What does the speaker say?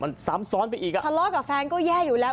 มันซ้ำซ้อนไปอีกอ่ะทะเลาะกับแฟนก็แย่อยู่แล้ว